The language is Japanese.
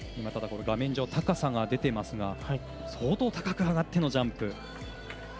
画面上は高さが出ていましたが相当高く上がってのジャンプ。